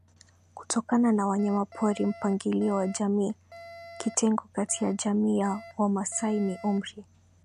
kutokana na wanyamaporiMpangilio wa jamii Kitengo kati ya jamii ya Wamasai ni umri